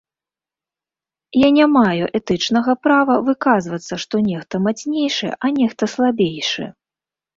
Я не маю этычнага права выказвацца, што нехта мацнейшы, а нехта слабейшы.